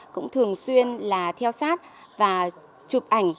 cũng thường xuyên là theo sát và chụp ảnh